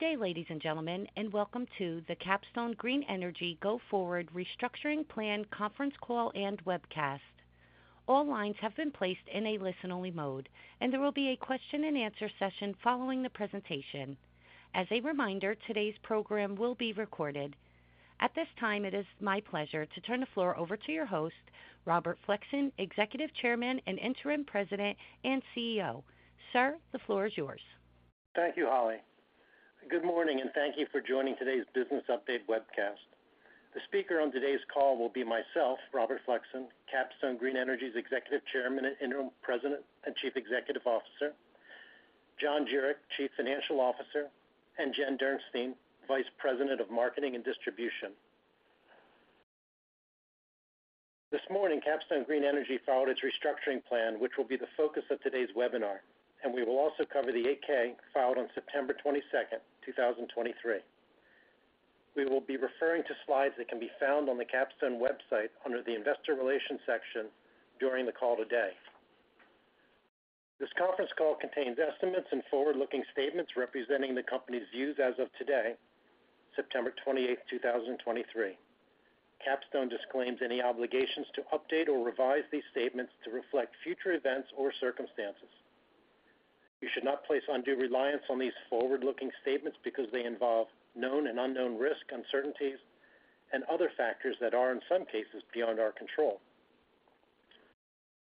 Good day, ladies and gentlemen, and welcome to the Capstone Green Energy Go Forward Restructuring Plan conference call and webcast. All lines have been placed in a listen-only mode, and there will be a question and answer session following the presentation. As a reminder, today's program will be recorded. At this time, it is my pleasure to turn the floor over to your host, Robert Flexon, Executive Chairman and Interim President and CEO. Sir, the floor is yours. Thank you, Holly. Good morning, and thank you for joining today's Business Update webcast. The speaker on today's call will be myself, Robert Flexon, Capstone Green Energy's Executive Chairman and Interim President and Chief Executive Officer, John Juric, Chief Financial Officer, and Jen Derstine, Vice President of Marketing and Distribution. This morning, Capstone Green Energy filed its restructuring plan, which will be the focus of today's webinar, and we will also cover the 8-K filed on September 22, 2023. We will be referring to slides that can be found on the Capstone website under the Investor Relations section during the call today. This conference call contains estimates and forward-looking statements representing the company's views as of today, September 28, 2023. Capstone disclaims any obligations to update or revise these statements to reflect future events or circumstances. You should not place undue reliance on these forward-looking statements because they involve known and unknown risks, uncertainties, and other factors that are, in some cases, beyond our control.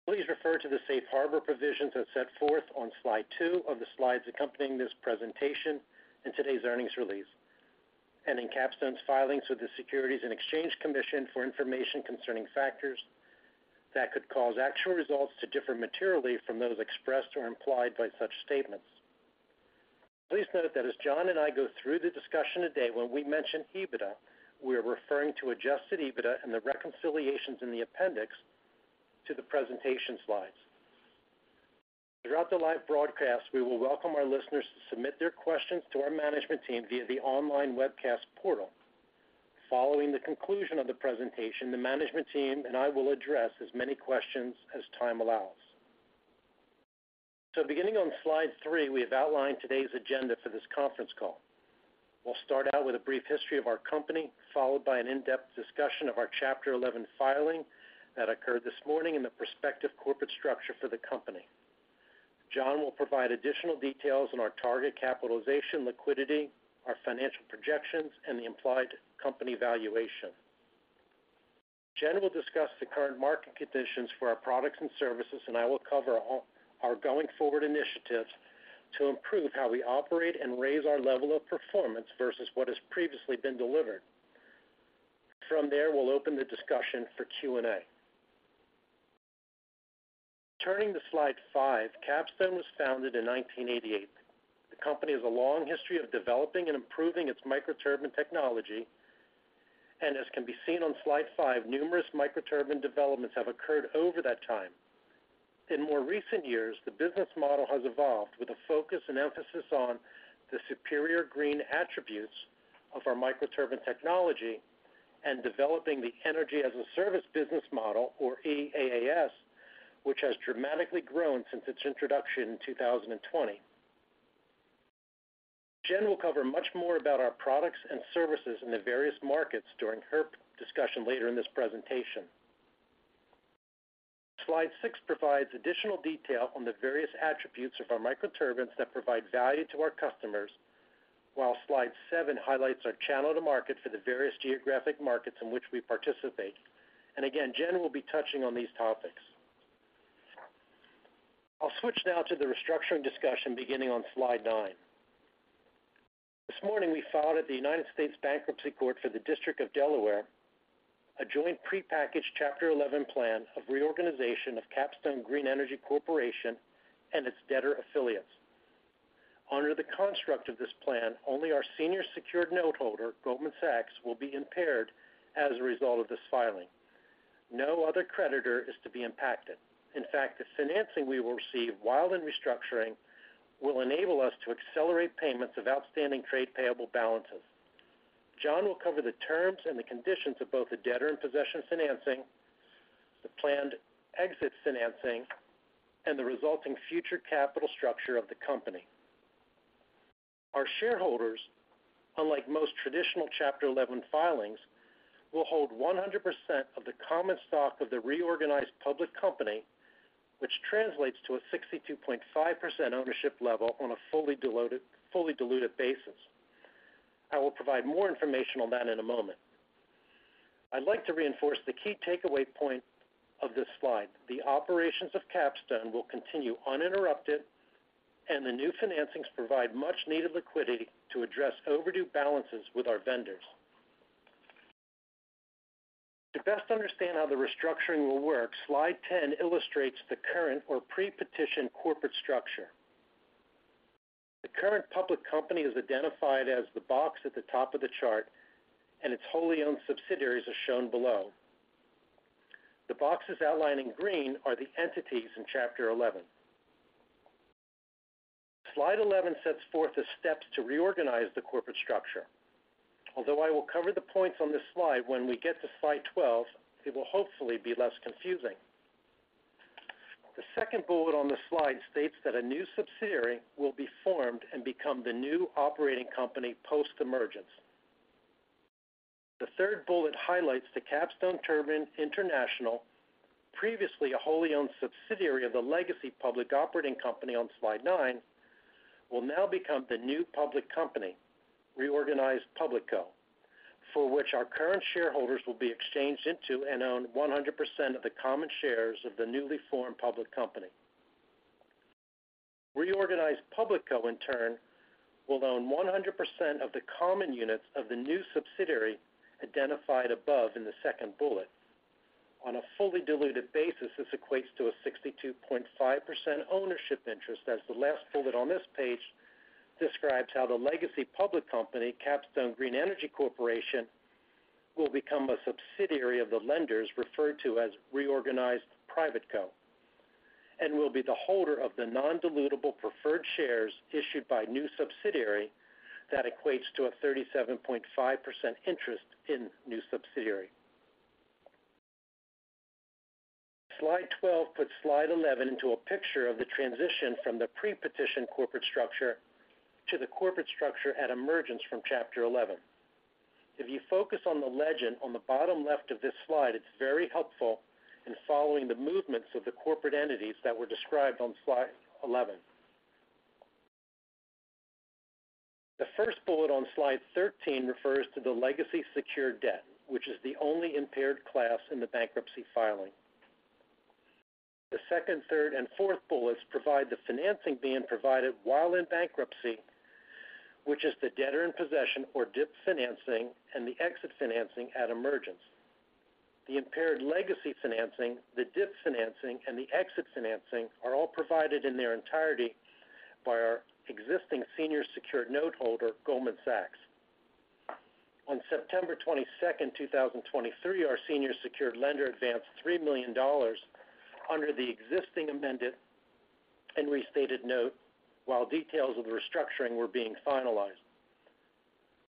Please refer to the Safe Harbor provisions as set forth on slide two of the slides accompanying this presentation and today's earnings release, and in Capstone's filings with the Securities and Exchange Commission for information concerning factors that could cause actual results to differ materially from those expressed or implied by such statements. Please note that as John and I go through the discussion today, when we mention EBITDA, we are referring to Adjusted EBITDA and the reconciliations in the appendix to the presentation slides. Throughout the live broadcast, we will welcome our listeners to submit their questions to our management team via the online webcast portal. Following the conclusion of the presentation, the management team and I will address as many questions as time allows. Beginning on slide three, we have outlined today's agenda for this conference call. We'll start out with a brief history of our company, followed by an in-depth discussion of our Chapter 11 filing that occurred this morning and the prospective corporate structure for the company. John will provide additional details on our target capitalization, liquidity, our financial projections, and the implied company valuation. Jen will discuss the current market conditions for our products and services, and I will cover all our going-forward initiatives to improve how we operate and raise our level of performance versus what has previously been delivered. From there, we'll open the discussion for Q&A. Turning to slide five, Capstone was founded in 1988. The company has a long history of developing and improving its microturbine technology, and as can be seen on slide five, numerous microturbine developments have occurred over that time. In more recent years, the business model has evolved with a focus and emphasis on the superior green attributes of our microturbine technology and developing the Energy as a Service business model, or EaaS, which has dramatically grown since its introduction in 2020. Jen will cover much more about our products and services in the various markets during her discussion later in this presentation. Slide six provides additional detail on the various attributes of our microturbines that provide value to our customers, while slide seven highlights our channel to market for the various geographic markets in which we participate. Again, Jen will be touching on these topics. I'll switch now to the restructuring discussion beginning on slide nine. This morning, we filed at the United States Bankruptcy Court for the District of Delaware, a joint prepackaged Chapter 11 plan of reorganization of Capstone Green Energy Corporation and its debtor affiliates. Under the construct of this plan, only our senior secured noteholder, Goldman Sachs, will be impaired as a result of this filing. No other creditor is to be impacted. In fact, the financing we will receive while in restructuring will enable us to accelerate payments of outstanding trade payable balances. John will cover the terms and the conditions of both the debtor-in-possession financing, the planned exit financing, and the resulting future capital structure of the company. Our shareholders, unlike most traditional Chapter 11 filings, will hold 100% of the common stock of the Reorganized Public Company, which translates to a 62.5% ownership level on a fully diluted, fully diluted basis. I will provide more information on that in a moment. I'd like to reinforce the key takeaway point of this slide. The operations of Capstone will continue uninterrupted, and the new financings provide much-needed liquidity to address overdue balances with our vendors. To best understand how the restructuring will work, slide 10 illustrates the current or pre-petition corporate structure. The current public company is identified as the box at the top of the chart, and its wholly owned subsidiaries are shown below. The boxes outlined in green are the entities in Chapter 11. Slide 11 sets forth the steps to reorganize the corporate structure. Although I will cover the points on this slide when we get to slide 12, it will hopefully be less confusing. The second bullet on the slide states that a New Subsidiary will be formed and become the new operating company post-emergence. The third bullet highlights the Capstone Turbine International, previously a wholly-owned subsidiary of the legacy public operating company on slide nine, will now become the new public company, Reorganized Public Co, for which our current shareholders will be exchanged into and own 100% of the common shares of the newly formed public company. Reorganized Public Co in turn, will own 100% of the common units of the New Subsidiary identified above in the second bullet. On a fully diluted basis, this equates to a 62.5% ownership interest, as the last bullet on this page describes how the legacy public company, Capstone Green Energy Corporation, will become a subsidiary of the lenders referred to as Reorganized Private Co, and will be the holder of the non-dilutable preferred shares issued by New Subsidiary. That equates to a 37.5% interest in New Subsidiary. Slide 12 puts slide 11 into a picture of the transition from the pre-petition corporate structure to the corporate structure at emergence from Chapter 11. If you focus on the legend on the bottom left of this slide, it's very helpful in following the movements of the corporate entities that were described on slide 11. The first bullet on slide 13 refers to the legacy secured debt, which is the only impaired class in the bankruptcy filing. The second, third, and fourth bullets provide the financing being provided while in bankruptcy, which is the debtor-in-possession or DIP financing, and the exit financing at emergence. The impaired legacy financing, the DIP financing, and the exit financing are all provided in their entirety by our existing senior secured noteholder, Goldman Sachs. On September 22, 2023, our senior secured lender advanced $3 million under the existing amended and restated note, while details of the restructuring were being finalized.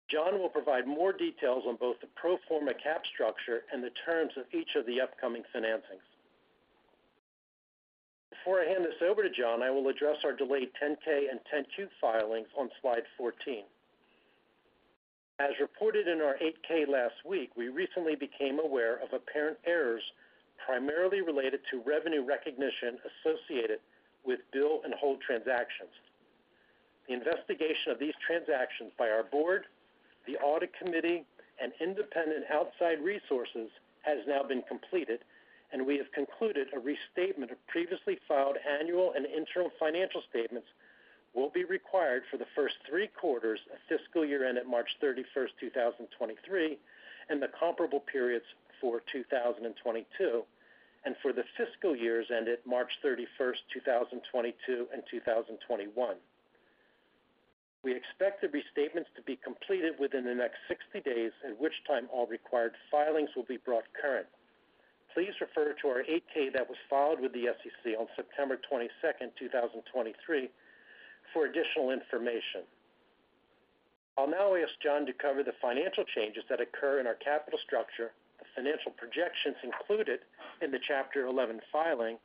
John will provide more details on both the pro forma cap structure and the terms of each of the upcoming financings. Before I hand this over to John, I will address our delayed 10-K and 10-Q filings on slide 14. As reported in our 8-K last week, we recently became aware of apparent errors primarily related to revenue recognition associated with bill-and-hold transactions. The investigation of these transactions by our board, the audit committee, and independent outside resources, has now been completed, and we have concluded a restatement of previously filed annual and internal financial statements will be required for the first three quarters of fiscal year end at March 31, 2023, and the comparable periods for 2022, and for the fiscal years ended March 31, 2022 and 2021. We expect the restatements to be completed within the next 60 days, at which time all required filings will be brought current. Please refer to our 8-K that was filed with the SEC on September 22, 2023 for additional information. I'll now ask John to cover the financial changes that occur in our capital structure, the financial projections included in the Chapter 11 filing,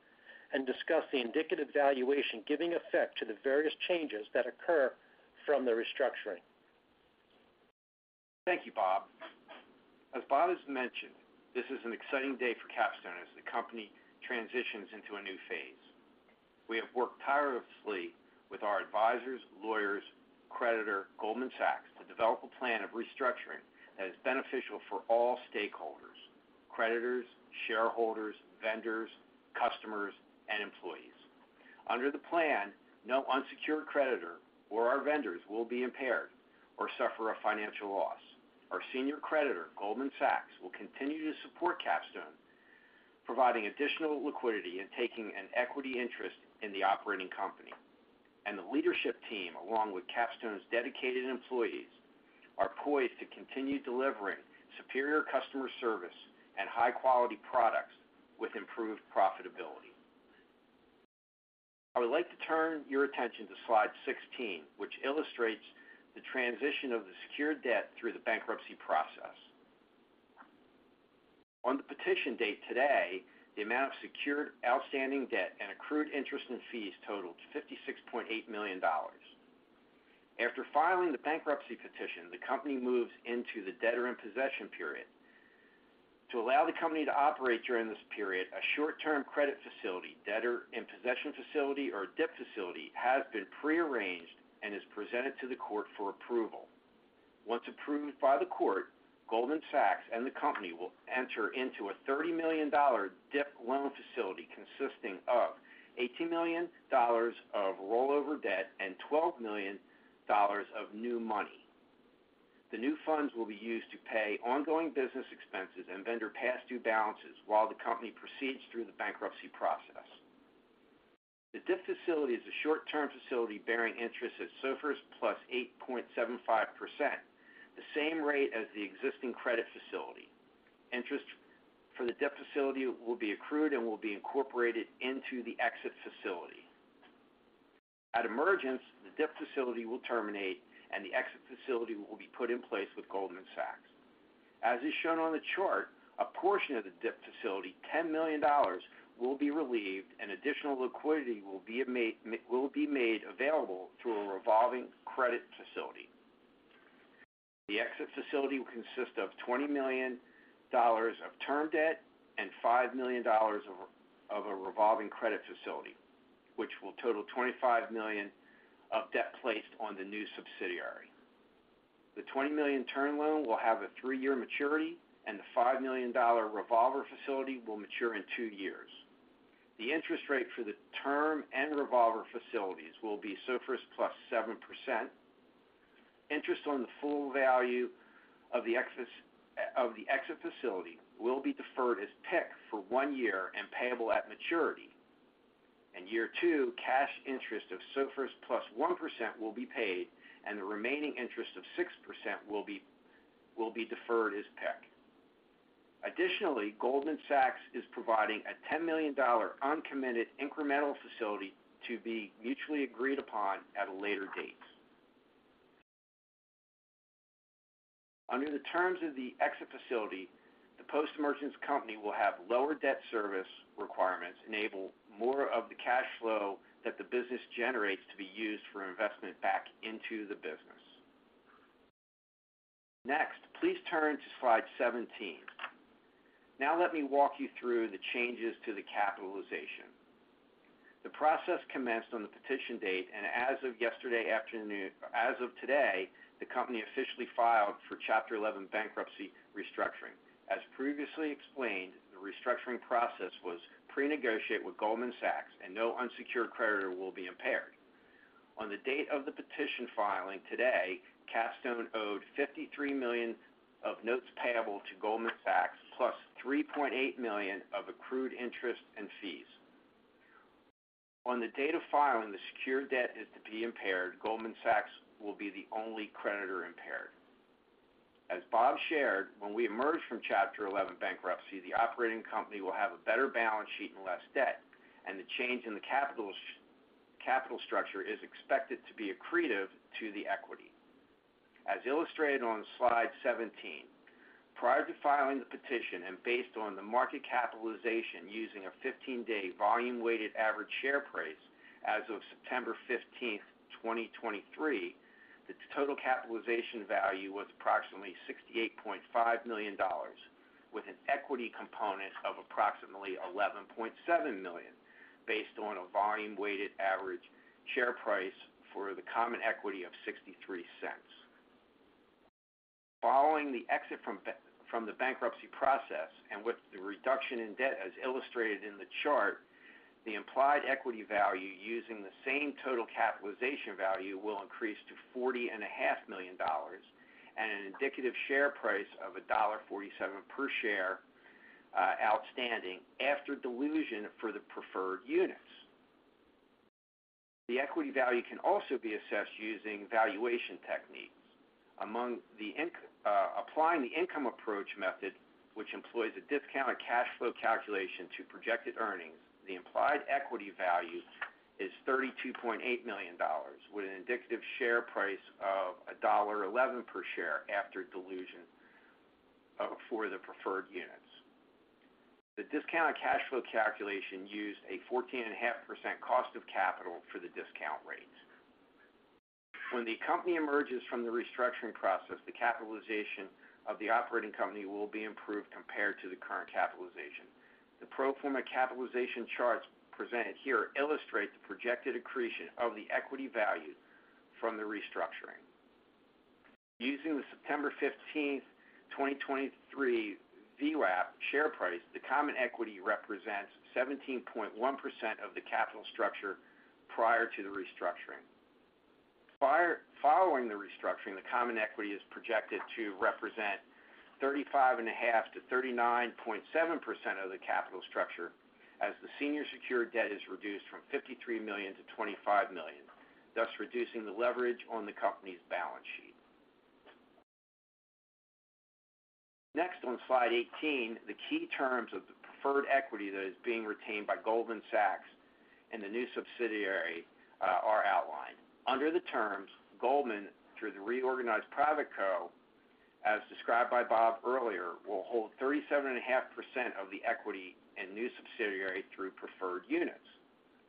and discuss the indicative valuation giving effect to the various changes that occur from the restructuring. Thank you, Bob. As Bob has mentioned, this is an exciting day for Capstone as the company transitions into a new phase. We have worked tirelessly with our advisors, lawyers, creditor, Goldman Sachs, to develop a plan of restructuring that is beneficial for all stakeholders, creditors, shareholders, vendors, customers, and employees. Under the plan, no unsecured creditor or our vendors will be impaired or suffer a financial loss. Our senior creditor, Goldman Sachs, will continue to support Capstone, providing additional liquidity and taking an equity interest in the operating company. The leadership team, along with Capstone's dedicated employees, are poised to continue delivering superior customer service and high-quality products with improved profitability. I would like to turn your attention to slide 16, which illustrates the transition of the secured debt through the bankruptcy process. On the petition date today, the amount of secured outstanding debt and accrued interest and fees totaled $56.8 million. After filing the bankruptcy petition, the company moves into the debtor-in-possession period. To allow the company to operate during this period, a short-term credit facility, debtor-in-possession facility, or DIP facility, has been pre-arranged and is presented to the court for approval. Once approved by the court, Goldman Sachs and the company will enter into a $30 million DIP loan facility consisting of $80 million of rollover debt and $12 million of new money. The new funds will be used to pay ongoing business expenses and vendor past due balances while the company proceeds through the bankruptcy process. The DIP facility is a short-term facility bearing interest at SOFR plus 8.75%, the same rate as the existing credit facility. Interest for the DIP facility will be accrued and will be incorporated into the exit financing. At emergence, the DIP facility will terminate and the exit facility will be put in place with Goldman Sachs. As is shown on the chart, a portion of the DIP facility, $10 million, will be relieved and additional liquidity will be made available through a revolving credit facility. The exit facility will consist of $20 million of term debt and $5 million of a revolving credit facility, which will total $25 million of debt placed on the New Subsidiary. The $20 million term loan will have a three-year maturity, and the $5 million revolver facility will mature in two years. The interest rate for the term and revolver facilities will be SOFR plus 7%. Interest on the full value of the excess of the exit facility will be deferred as PIK for one year and payable at maturity. In year two, cash interest of SOFR plus 1% will be paid and the remaining interest of 6% will be, will be deferred as PIK. Additionally, Goldman Sachs is providing a $10 million uncommitted incremental facility to be mutually agreed upon at a later date. Under the terms of the exit facility, the post-emergence company will have lower debt service requirements, enable more of the cash flow that the business generates to be used for investment back into the business. Next, please turn to slide 17. Now let me walk you through the changes to the capitalization. The process commenced on the petition date, and as of yesterday afternoon as of today, the company officially filed for Chapter 11 bankruptcy restructuring. As previously explained, the restructuring process was pre-negotiated with Goldman Sachs and no unsecured creditor will be impaired. On the date of the petition filing today, Capstone owed $53 million of notes payable to Goldman Sachs, plus $3.8 million of accrued interest and fees. On the date of filing, the secured debt is to be impaired. Goldman Sachs will be the only creditor impaired. As Bob shared, when we emerge from Chapter 11 bankruptcy, the operating company will have a better balance sheet and less debt, and the change in the capital.. capital structure is expected to be accretive to the equity. As illustrated on slide 17, prior to filing the petition and based on the market capitalization using a 15-day volume weighted average share price as of September 15, 2023, the total capitalization value was approximately $68.5 million, with an equity component of approximately $11.7 million, based on a volume weighted average share price for the common equity of $0.63. Following the exit from the bankruptcy process and with the reduction in debt as illustrated in the chart, the implied equity value using the same total capitalization value will increase to $40.5 million and an indicative share price of $1.47 per share outstanding after dilution for the preferred units. The equity value can also be assessed using valuation techniques. Among the income approach method, which employs a discounted cash flow calculation to projected earnings, the implied equity value is $32.8 million, with an indicative share price of $1.11 per share after dilution for the preferred units. The discounted cash flow calculation used a 14.5% cost of capital for the discount rates. When the company emerges from the restructuring process, the capitalization of the operating company will be improved compared to the current capitalization. The pro forma capitalization charts presented here illustrate the projected accretion of the equity value from the restructuring. Using the September 15, 2023, VWAP share price, the common equity represents 17.1% of the capital structure prior to the restructuring. Following the restructuring, the common equity is projected to represent 35.5%-39.7% of the capital structure, as the senior secured debt is reduced from $53 million to $25 million, thus reducing the leverage on the company's balance sheet. Next, on slide 18, the key terms of the preferred equity that is being retained by Goldman Sachs and the New Subsidiary are outlined. Under the terms, Goldman, through the Reorganized Private Co, as described by Bob earlier, will hold 37.5% of the equity and New Subsidiary through preferred units.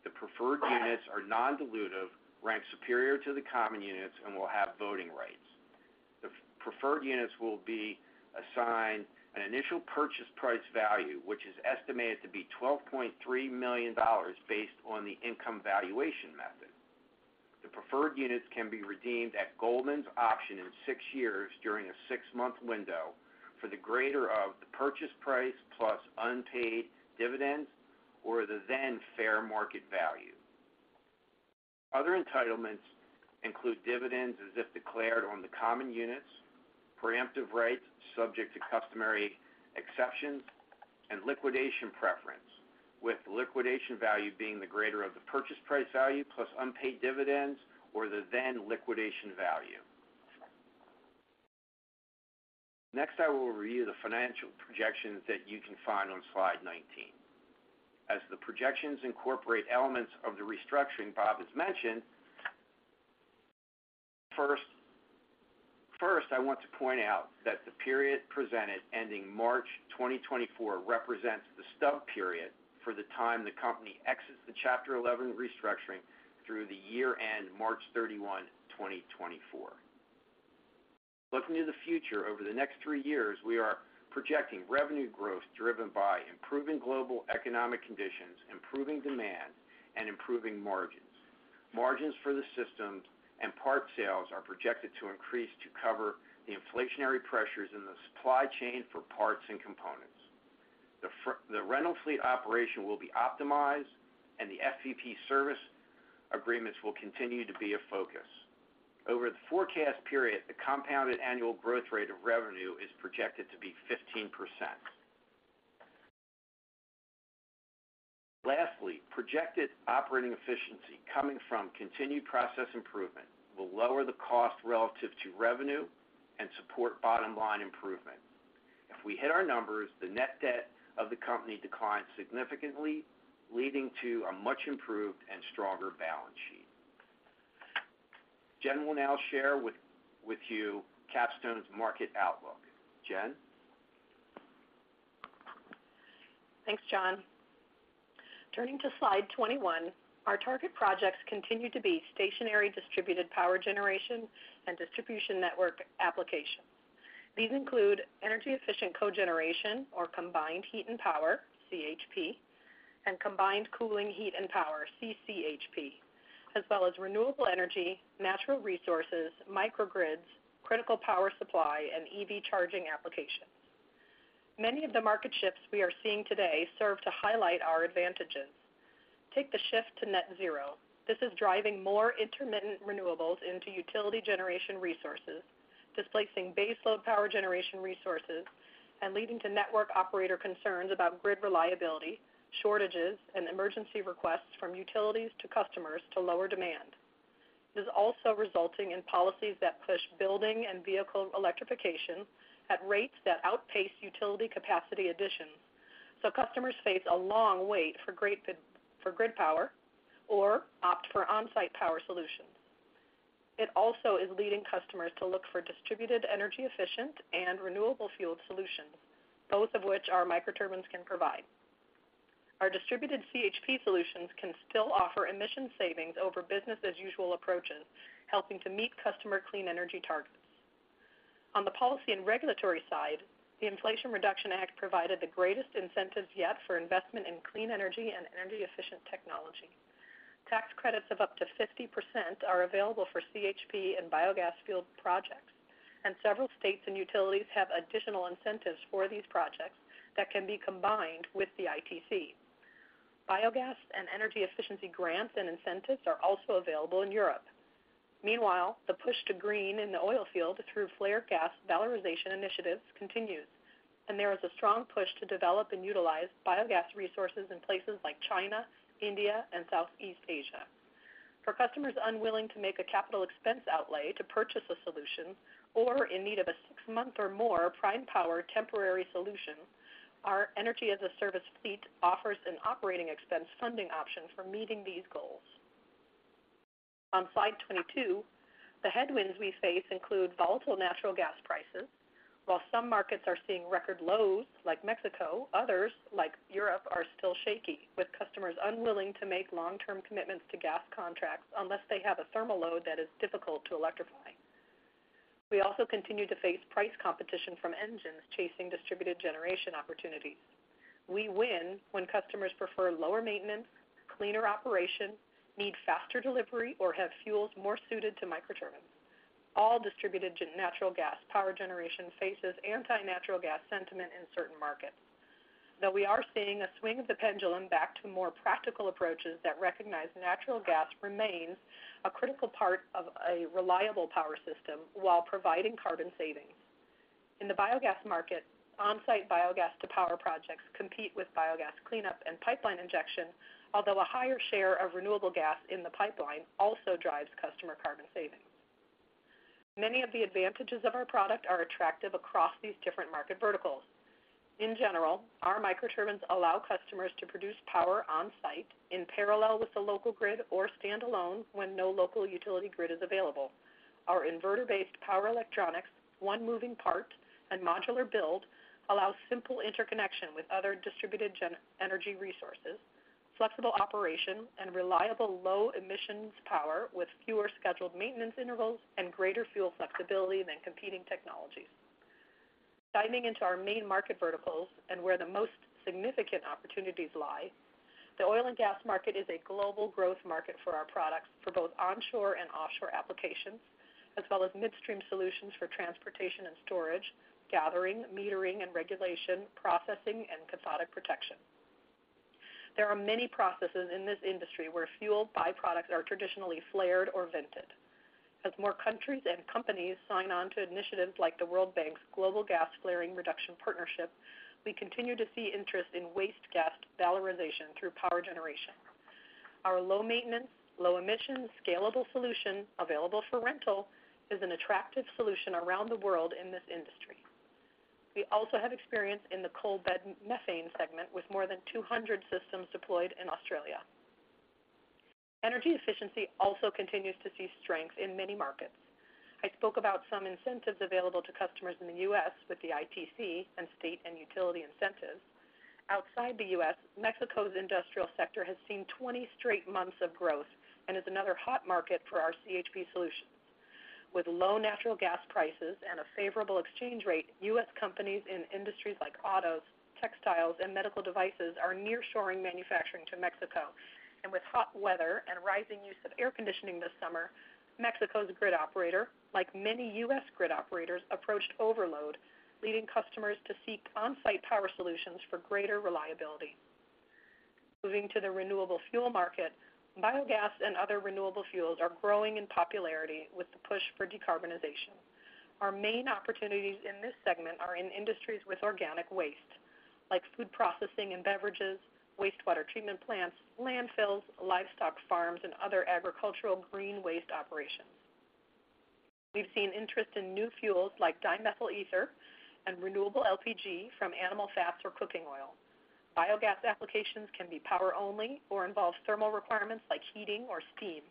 The preferred units are non-dilutive, rank superior to the common units, and will have voting rights. The preferred units will be assigned an initial purchase price value, which is estimated to be $12.3 million based on the income valuation method. The preferred units can be redeemed at Goldman's option in six years during a six-month window for the greater of the purchase price plus unpaid dividends or the then fair market value. Other entitlements include dividends as if declared on the common units, preemptive rights subject to customary exceptions, and liquidation preference, with liquidation value being the greater of the purchase price value plus unpaid dividends or the then liquidation value. Next, I will review the financial projections that you can find on slide 19. As the projections incorporate elements of the restructuring Bob has mentioned, first, I want to point out that the period presented ending March 2024 represents the stub period for the time the company exits the Chapter 11 restructuring through the year end, March 31, 2024. Looking to the future, over the next three years, we are projecting revenue growth driven by improving global economic conditions, improving demand, and improving margins. Margins for the systems and parts sales are projected to increase to cover the inflationary pressures in the supply chain for parts and components. The rental fleet operation will be optimized, and the FPP service agreements will continue to be a focus. Over the forecast period, the compounded annual growth rate of revenue is projected to be 15%. Lastly, projected operating efficiency coming from continued process improvement will lower the cost relative to revenue and support bottom line improvement. If we hit our numbers, the net debt of the company declines significantly, leading to a much improved and stronger balance sheet. Jen will now share with you Capstone's market outlook. Jen? Thanks, John. Turning to slide 21, our target projects continue to be stationary distributed power generation and distribution network applications. These include energy efficient cogeneration or combined heat and power, CHP, and combined cooling heat and power, CCHP, as well as renewable energy, natural resources, microgrids, critical power supply, and EV charging applications. Many of the market shifts we are seeing today serve to highlight our advantages. Take the shift to net zero. This is driving more intermittent renewables into utility generation resources, displacing baseload power generation resources, and leading to network operator concerns about grid reliability, shortages, and emergency requests from utilities to customers to lower demand. This is also resulting in policies that push building and vehicle electrification at rates that outpace utility capacity additions, so customers face a long wait for grid power or opt for on-site power solutions. It also is leading customers to look for distributed energy efficient and renewable fueled solutions, both of which our microturbines can provide. Our distributed CHP solutions can still offer emission savings over business as usual approaches, helping to meet customer clean energy targets. On the policy and regulatory side, the Inflation Reduction Act provided the greatest incentives yet for investment in clean energy and energy efficient technology. Tax credits of up to 50% are available for CHP and biogas field projects, and several states and utilities have additional incentives for these projects that can be combined with the ITC. Biogas and energy efficiency grants and incentives are also available in Europe. Meanwhile, the push to green in the oil field through flare gas valorization initiatives continues, and there is a strong push to develop and utilize biogas resources in places like China, India, and Southeast Asia. For customers unwilling to make a capital expense outlay to purchase a solution or in need of a six-month or more prime power temporary solution, our Energy-as-a-Service fleet offers an operating expense funding option for meeting these goals. On slide 22, the headwinds we face include volatile natural gas prices. While some markets are seeing record lows like Mexico, others, like Europe, are still shaky, with customers unwilling to make long-term commitments to gas contracts unless they have a thermal load that is difficult to electrify. We also continue to face price competition from engines chasing distributed generation opportunities. We win when customers prefer lower maintenance, cleaner operation, need faster delivery, or have fuels more suited to microturbines. All distributed natural gas power generation faces anti-natural gas sentiment in certain markets. Though we are seeing a swing of the pendulum back to more practical approaches that recognize natural gas remains a critical part of a reliable power system while providing carbon savings. In the biogas market, on-site biogas to power projects compete with biogas cleanup and pipeline injection, although a higher share of renewable gas in the pipeline also drives customer carbon savings. Many of the advantages of our product are attractive across these different market verticals. In general, our microturbines allow customers to produce power on-site in parallel with the local grid or standalone when no local utility grid is available. Our inverter-based power electronics, one moving part, and modular build allow simple interconnection with other distributed energy resources, flexible operation, and reliable low emissions power with fewer scheduled maintenance intervals and greater fuel flexibility than competing technologies. Diving into our main market verticals and where the most significant opportunities lie, the oil and gas market is a global growth market for our products for both onshore and offshore applications, as well as midstream solutions for transportation and storage, gathering, metering and regulation, processing, and cathodic protection. There are many processes in this industry where fuel byproducts are traditionally flared or vented. As more countries and companies sign on to initiatives like the World Bank's Global Gas Flaring Reduction Partnership, we continue to see interest in waste gas valorization through power generation. Our low maintenance, low emission, scalable solution available for rental is an attractive solution around the world in this industry. We also have experience in the coalbed methane segment, with more than 200 systems deployed in Australia. Energy efficiency also continues to see strength in many markets. I spoke about some incentives available to customers in the U.S. with the ITC and state and utility incentives. Outside the U.S., Mexico's industrial sector has seen 20 straight months of growth and is another hot market for our CHP solutions. With low natural gas prices and a favorable exchange rate, U.S. companies in industries like autos, textiles, and medical devices are nearshoring manufacturing to Mexico. And with hot weather and rising use of air conditioning this summer, Mexico's grid operator, like many U.S. grid operators, approached overload, leading customers to seek on-site power solutions for greater reliability. Moving to the renewable fuel market, biogas and other renewable fuels are growing in popularity with the push for decarbonization. Our main opportunities in this segment are in industries with organic waste, like food processing and beverages, wastewater treatment plants, landfills, livestock farms, and other agricultural green waste operations. We've seen interest in new fuels like dimethyl ether and renewable LPG from animal fats or cooking oil. Biogas applications can be power only or involve thermal requirements like heating or steam.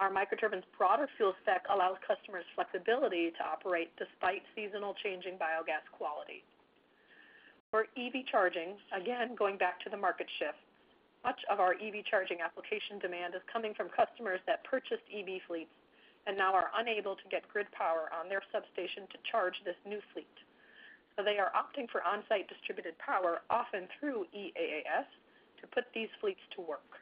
Our microturbines' broader fuel spec allows customers flexibility to operate despite seasonal changing biogas quality. For EV charging, again, going back to the market shift, much of our EV charging application demand is coming from customers that purchased EV fleets and now are unable to get grid power on their substation to charge this new fleet. So they are opting for on-site distributed power, often through EaaS, to put these fleets to work.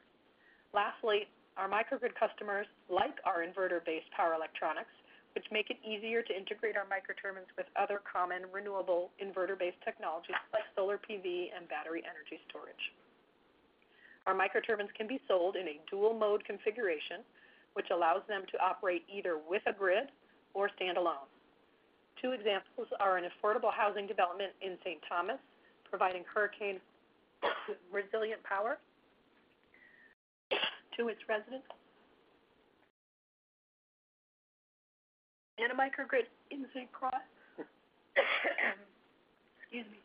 Lastly, our microgrid customers like our inverter-based power electronics, which make it easier to integrate our microturbines with other common, renewable, inverter-based technologies like solar PV and battery energy storage. Our microturbines can be sold in a dual mode configuration, which allows them to operate either with a grid or standalone. Two examples are an affordable housing development in St. Thomas, providing hurricane-resilient power to its residents. A microgrid in St. Croix. Excuse me.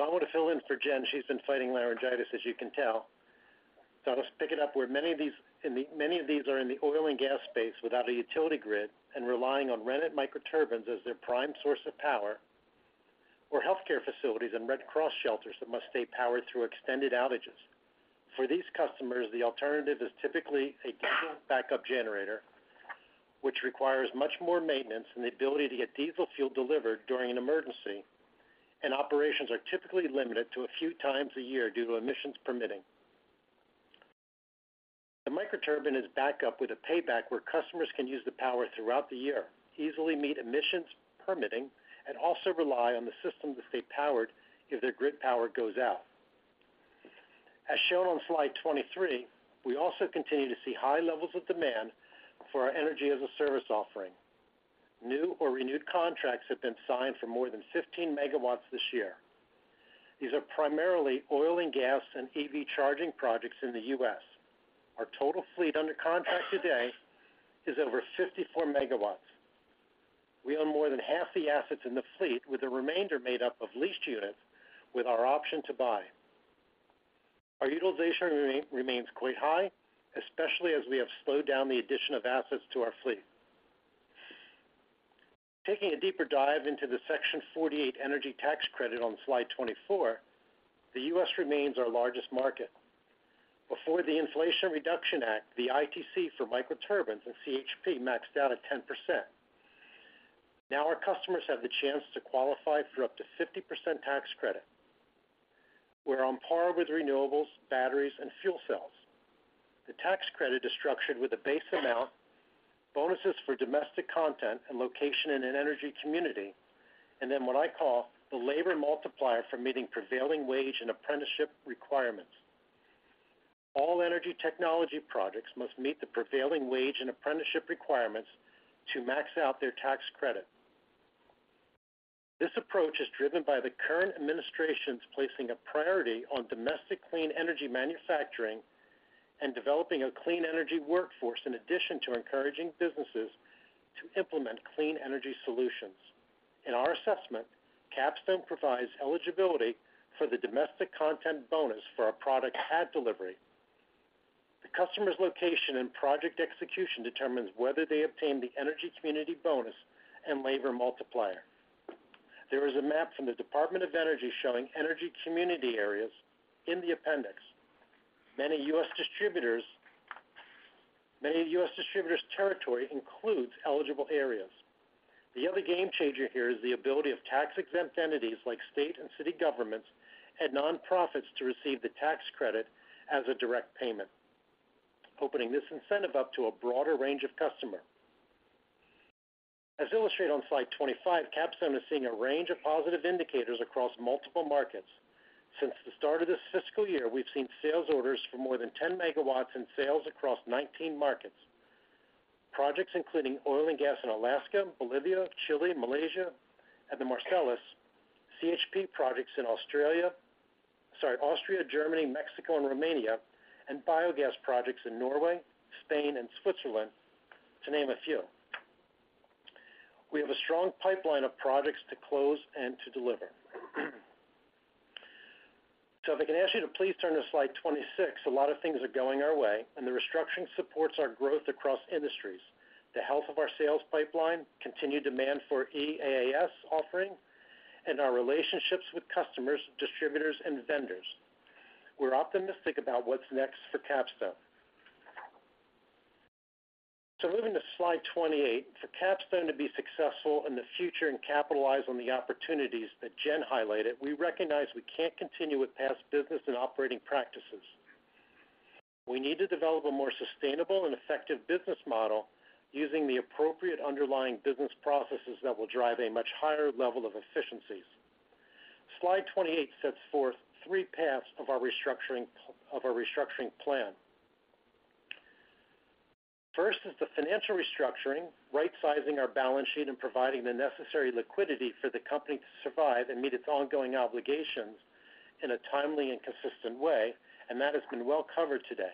So I want to fill in for Jen. She's been fighting laryngitis, as you can tell. So I'll just pick it up where many of these are in the oil and gas space without a utility grid and relying on rented microturbines as their prime source of power, or healthcare facilities and Red Cross shelters that must stay powered through extended outages. For these customers, the alternative is typically a diesel backup generator, which requires much more maintenance and the ability to get diesel fuel delivered during an emergency, and operations are typically limited to a few times a year due to emissions permitting. The microturbine is back up with a payback where customers can use the power throughout the year, easily meet emissions permitting, and also rely on the system to stay powered if their grid power goes out. As shown on slide 23, we also continue to see high levels of demand for our Energy-as-a-Service offering. New or renewed contracts have been signed for more than 15 MW this year. These are primarily oil and gas and EV charging projects in the U.S. Our total fleet under contract today is over 54 MW. We own more than half the assets in the fleet, with the remainder made up of leased units with our option to buy. Our utilization remains quite high, especially as we have slowed down the addition of assets to our fleet. Taking a deeper dive into the Section 48 energy tax credit on slide 24, the U.S. remains our largest market. Before the Inflation Reduction Act, the ITC for microturbines and CHP maxed out at 10%. Now, our customers have the chance to qualify for up to 50% tax credit. We're on par with renewables, batteries, and fuel cells. The tax credit is structured with a base amount, bonuses for domestic content and location in an energy community, and then what I call the labor multiplier for meeting prevailing wage and apprenticeship requirements. All energy technology projects must meet the prevailing wage and apprenticeship requirements to max out their tax credit. This approach is driven by the current administration's placing a priority on domestic clean energy manufacturing and developing a clean energy workforce, in addition to encouraging businesses to implement clean energy solutions. In our assessment, Capstone provides eligibility for the domestic content bonus for our product at delivery. The customer's location and project execution determines whether they obtain the energy community bonus and labor multiplier. There is a map from the Department of Energy showing energy community areas in the appendix. Many U.S. distributors' territory includes eligible areas. The other game changer here is the ability of tax-exempt entities, like state and city governments and nonprofits, to receive the tax credit as a direct payment, opening this incentive up to a broader range of customers. As illustrated on Slide 25, Capstone is seeing a range of positive indicators across multiple markets. Since the start of this fiscal year, we've seen sales orders for more than 10 MW in sales across 19 markets. Projects including oil and gas in Alaska, Bolivia, Chile, Malaysia, and the Marcellus, CHP projects in Australia, sorry, Austria, Germany, Mexico, and Romania, and biogas projects in Norway, Spain, and Switzerland, to name a few. We have a strong pipeline of projects to close and to deliver. So if I can ask you to please turn to Slide 26, a lot of things are going our way, and the restructuring supports our growth across industries, the health of our sales pipeline, continued demand for EaaS offering, and our relationships with customers, distributors, and vendors. We're optimistic about what's next for Capstone. So moving to Slide 28, for Capstone to be successful in the future and capitalize on the opportunities that Jen highlighted, we recognize we can't continue with past business and operating practices. We need to develop a more sustainable and effective business model using the appropriate underlying business processes that will drive a much higher level of efficiencies. Slide 28 sets forth three paths of our restructuring, of our restructuring plan. First is the financial restructuring, rightsizing our balance sheet, and providing the necessary liquidity for the company to survive and meet its ongoing obligations in a timely and consistent way, and that has been well covered today.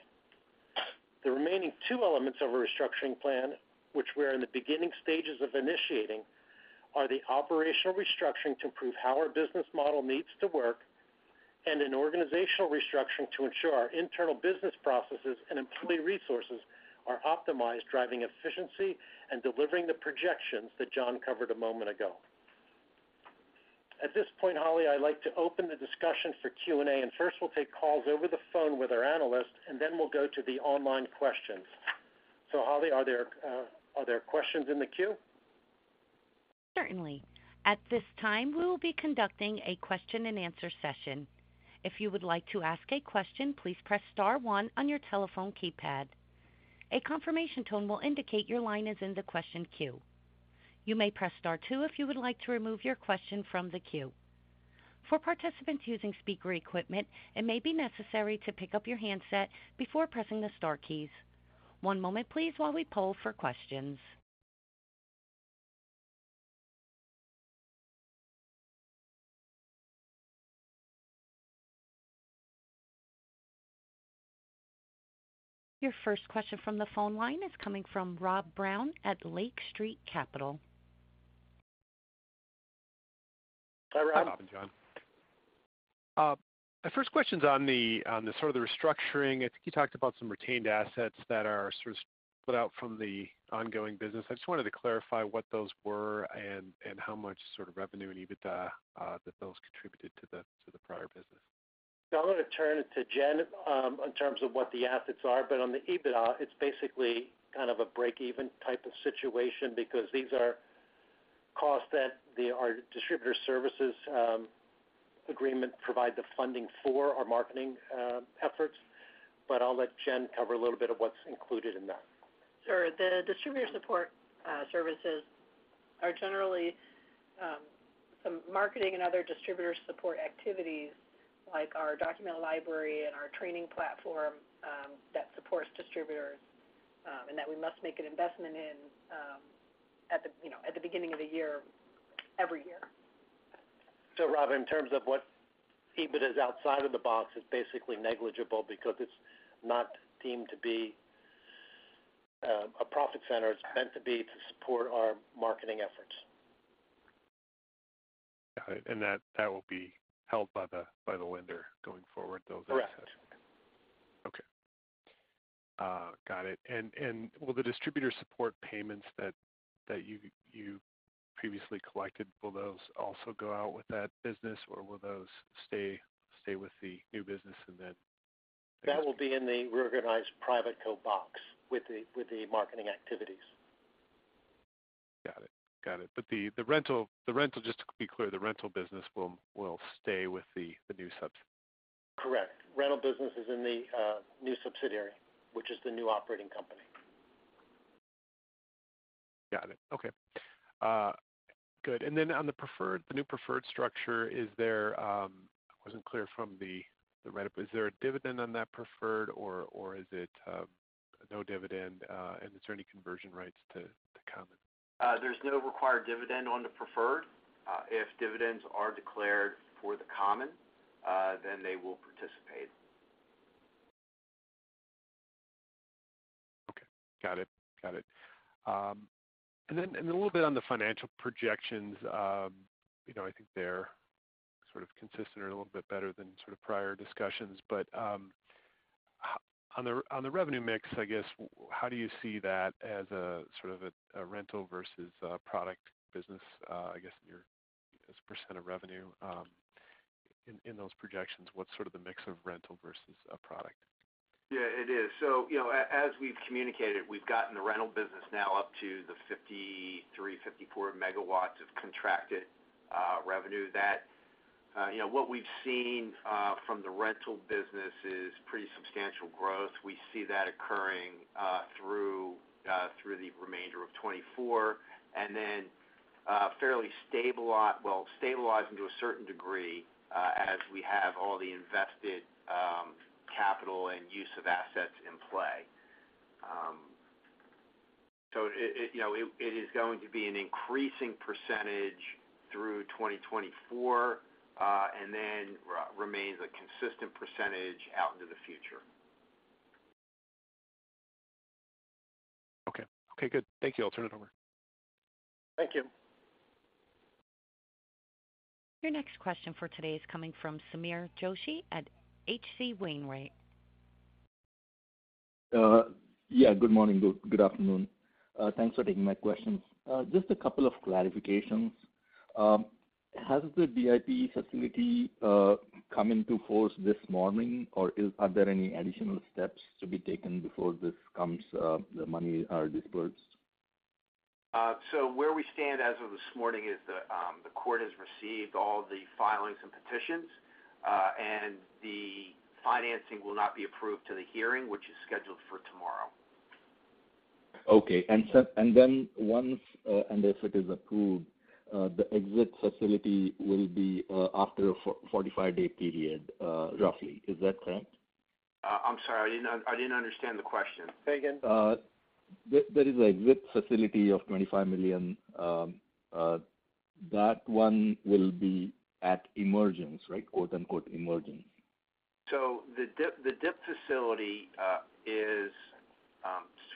The remaining two elements of a restructuring plan, which we're in the beginning stages of initiating, are the operational restructuring to improve how our business model needs to work, and an organizational restructuring to ensure our internal business processes and employee resources are optimized, driving efficiency and delivering the projections that John covered a moment ago. At this point, Holly, I'd like to open the discussion for Q&A, and first, we'll take calls over the phone with our analysts, and then we'll go to the online questions. So Holly, are there questions in the queue? Certainly. At this time, we will be conducting a question-and-answer session. If you would like to ask a question, please press star one on your telephone keypad. A confirmation tone will indicate your line is in the question queue. You may press star two if you would like to remove your question from the queue. For participants using speaker equipment, it may be necessary to pick up your handset before pressing the star keys. One moment please, while we poll for questions. Your first question from the phone line is coming from Rob Brown at Lake Street Capital Markets. Hi, Rob. Hi, John. My first question's on the sort of the restructuring. I think you talked about some retained assets that are sort of split out from the ongoing business. I just wanted to clarify what those were and how much sort of revenue and EBITDA that those contributed to the prior business. So I'm going to turn it to Jen, in terms of what the assets are, but on the EBITDA, it's basically kind of a break-even type of situation because these are costs that the, our distributor services agreement provide the funding for our marketing, efforts. But I'll let Jen cover a little bit of what's included in that. Sure. The distributor support services are generally some marketing and other distributor support activities, like our document library and our training platform, that supports distributors, and that we must make an investment in, at the, you know, at the beginning of the year, every year. So Rob, in terms of what EBITDA is outside of the box, it's basically negligible because it's not deemed to be a profit center. It's meant to be to support our marketing efforts. Got it. And that will be held by the lender going forward, though? Correct. Okay. Got it. And will the distributor support payments that you previously collected, will those also go out with that business, or will those stay with the new business and then- That will be in the Reorganized Public Co box with the marketing activities. Got it. Got it. But the rental, just to be clear, the rental business will stay with the New Subsidiary. Correct. Rental business is in the New Subsidiary, which is the new operating company. Got it. Okay. Good. And then on the preferred, the new preferred structure, is there... Wasn't clear from the write-up. Is there a dividend on that preferred, or is it no dividend, and is there any conversion rights to common? There's no required dividend on the preferred. If dividends are declared for the common, then they will participate. Okay. Got it. Got it. And then a little bit on the financial projections. You know, I think they're sort of consistent or a little bit better than sort of prior discussions. But, on the revenue mix, I guess, how do you see that as a sort of a rental versus a product business? I guess, as a percent of revenue, in those projections, what's sort of the mix of rental versus a product? Yeah, it is. So, you know, as we've communicated, we've gotten the rental business now up to the 53-54 MW of contracted revenue. That-... you know, what we've seen from the rental business is pretty substantial growth. We see that occurring through the remainder of 2024, and then fairly stabilize, well, stabilizing to a certain degree as we have all the invested capital and use of assets in play. So it, you know, it is going to be an increasing percentage through 2024 and then remains a consistent percentage out into the future. Okay. Okay, good. Thank you. I'll turn it over. Thank you. Your next question for today is coming from Sameer Joshi at H.C. Wainwright. Yeah, good morning. Good afternoon. Thanks for taking my questions. Just a couple of clarifications. Has the DIP facility come into force this morning, or are there any additional steps to be taken before this comes, the money are disbursed? So where we stand as of this morning is, the court has received all the filings and petitions, and the financing will not be approved to the hearing, which is scheduled for tomorrow. Okay. And then once, and if it is approved, the exit facility will be after a 45-day period, roughly. Is that correct? I'm sorry, I didn't understand the question. Say again. There is a DIP facility of $25 million. That one will be at emergence, right? Quote, unquote, "Emergence. So the DIP, the DIP facility, is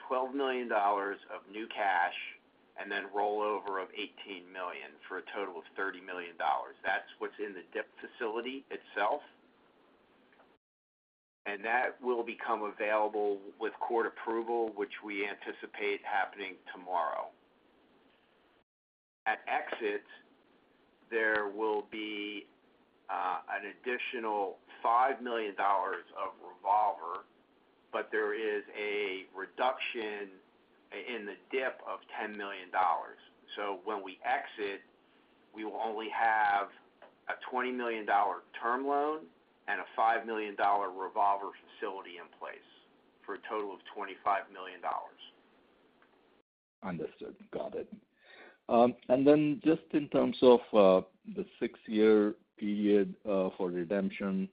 $12 million of new cash, and then rollover of $18 million, for a total of $30 million. That's what's in the DIP facility itself. And that will become available with court approval, which we anticipate happening tomorrow. At exit, there will be an additional $5 million of revolver, but there is a reduction in the DIP of $10 million. So when we exit, we will only have a $20 million term loan and a five million revolver facility in place, for a total of $25 million. Understood. Got it. And then just in terms of the six-year period for redemption,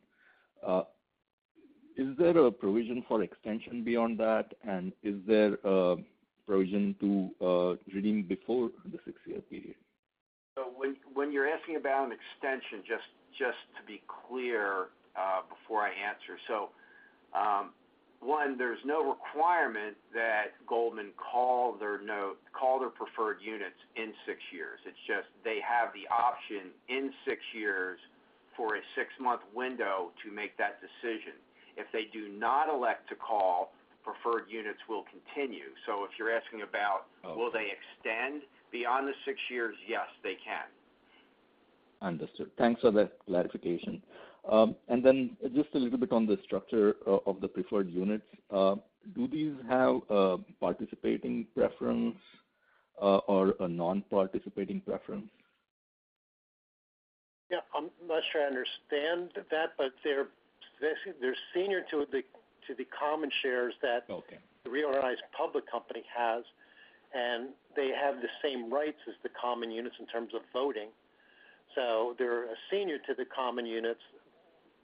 is there a provision for extension beyond that, and is there a provision to redeem before the six-year period? So when you're asking about an extension, just to be clear, before I answer. So, one, there's no requirement that Goldman call their note, call their preferred units in six years. It's just they have the option in six years for a six-month window to make that decision. If they do not elect to call, preferred units will continue. So if you're asking about- Oh. Will they extend beyond the six years? Yes, they can. Understood. Thanks for that clarification. And then just a little bit on the structure of the preferred units. Do these have a participating preference, or a nonparticipating preference? Yeah, I'm not sure I understand that, but they're senior to the common shares that- Okay. The Reorganized Public Company has, and they have the same rights as the common units in terms of voting. So they're senior to the common units,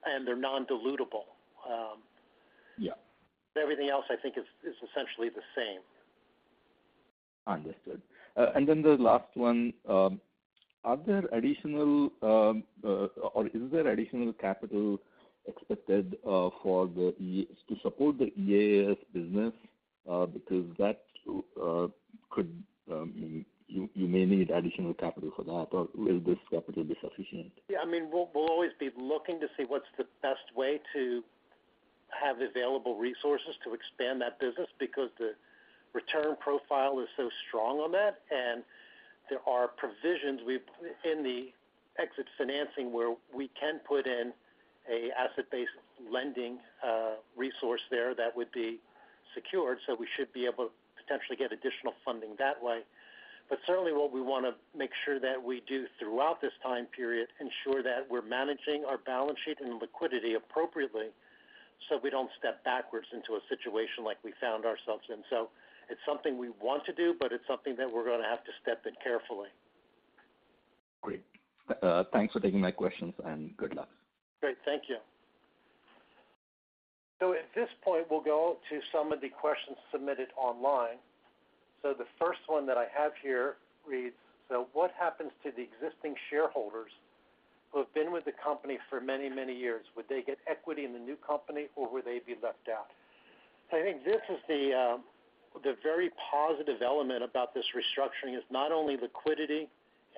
and they're non-dilutable. Yeah. Everything else, I think, is essentially the same. Understood. And then the last one, are there additional, or is there additional capital expected, for the EaaS to support the EaaS business? Because that could, you may need additional capital for that, or will this capital be sufficient? Yeah, I mean, we'll always be looking to see what's the best way to have available resources to expand that business, because the return profile is so strong on that. And there are provisions we've... In the exit financing, where we can put in an asset-based lending resource there, that would be secured, so we should be able to potentially get additional funding that way. But certainly, what we want to make sure that we do throughout this time period, ensure that we're managing our balance sheet and liquidity appropriately, so we don't step backwards into a situation like we found ourselves in. So it's something we want to do, but it's something that we're going to have to step in carefully. Great. Thanks for taking my questions, and good luck. Great. Thank you. So at this point, we'll go to some of the questions submitted online. So the first one that I have here reads: So what happens to the existing shareholders who have been with the company for many, many years? Would they get equity in the new company, or would they be left out? I think this is the, the very positive element about this restructuring, is not only liquidity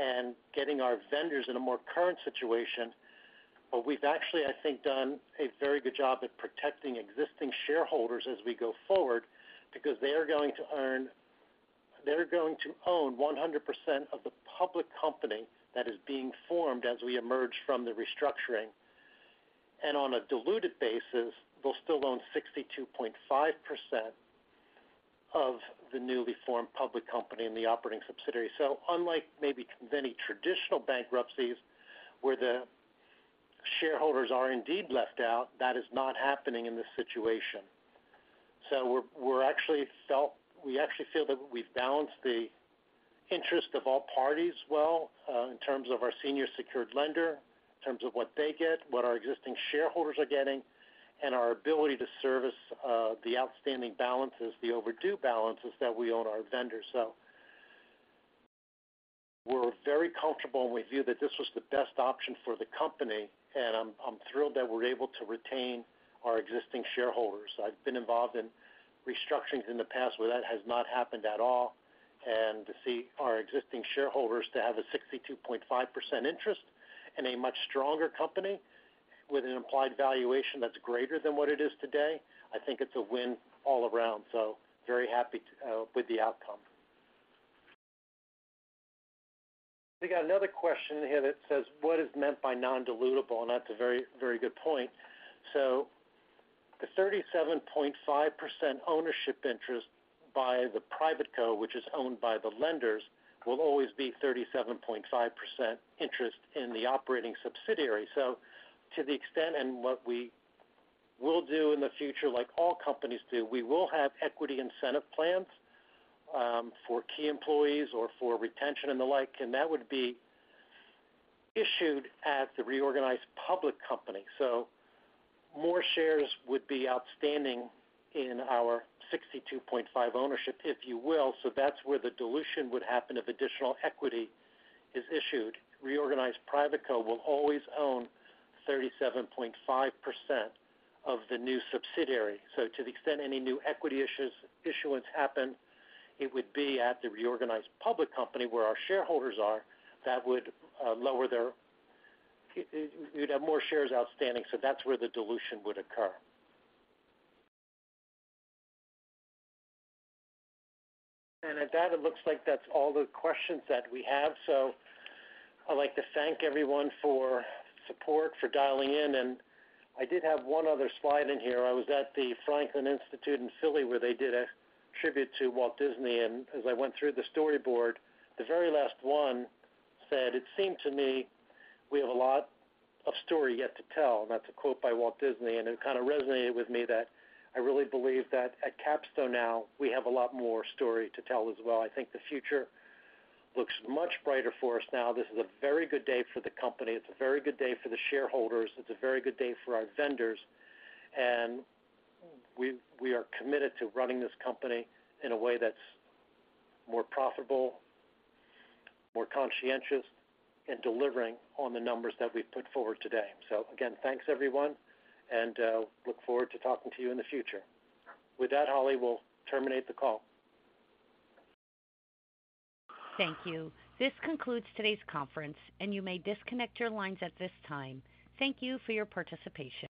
and getting our vendors in a more current situation, but we've actually, I think, done a very good job at protecting existing shareholders as we go forward, because they are going to earn-- they're going to own 100% of the public company that is being formed as we emerge from the restructuring. And on a diluted basis, they'll still own 62.5% of the newly formed public company and the operating subsidiary. So unlike maybe many traditional bankruptcies, where the shareholders are indeed left out, that is not happening in this situation. So we actually feel that we've balanced the interest of all parties well, in terms of our senior secured lender, in terms of what they get, what our existing shareholders are getting, and our ability to service the outstanding balances, the overdue balances that we owe our vendors. So we're very comfortable, and we view that this was the best option for the company, and I'm thrilled that we're able to retain our existing shareholders. I've been involved in restructurings in the past where that has not happened at all, and to see our existing shareholders to have a 62.5% interest in a much stronger company with an implied valuation that's greater than what it is today, I think it's a win all around. So very happy to with the outcome. We got another question here that says, "What is meant by non-dilutable?" And that's a very, very good point. So the 37.5% ownership interest by the private co, which is owned by the lenders, will always be 37.5% interest in the operating subsidiary. So to the extent and what we will do in the future, like all companies do, we will have equity incentive plans, for key employees or for retention and the like, and that would be issued at the Reorganized Public Company. So more shares would be outstanding in our 62.5 ownership, if you will. So that's where the dilution would happen if additional equity is issued. Reorganized Private Co will always own 37.5% of the New Subsidiary. So to the extent any new equity issuance happen, it would be at the Reorganized Public Company where our shareholders are, that would, lower their... You'd have more shares outstanding, so that's where the dilution would occur. And at that, it looks like that's all the questions that we have. So I'd like to thank everyone for support, for dialing in. I did have one other slide in here. I was at the Franklin Institute in Philly, where they did a tribute to Walt Disney, and as I went through the storyboard, the very last one said, "It seemed to me we have a lot of story yet to tell," and that's a quote by Walt Disney. It kind of resonated with me that I really believe that at Capstone now, we have a lot more story to tell as well. I think the future looks much brighter for us now. This is a very good day for the company. It's a very good day for the shareholders. It's a very good day for our vendors, and we, we are committed to running this company in a way that's more profitable, more conscientious, and delivering on the numbers that we've put forward today. So again, thanks, everyone, and look forward to talking to you in the future. With that, Holly, we'll terminate the call. Thank you. This concludes today's conference, and you may disconnect your lines at this time. Thank you for your participation.